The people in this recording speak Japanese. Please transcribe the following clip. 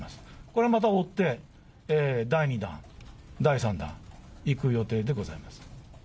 これはまた追って、第２弾、第３弾、いく予定でございます。